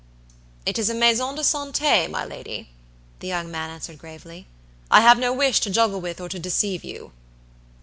"It is a maison de santé, my lady," the young man answered, gravely. "I have no wish to juggle with or to deceive you."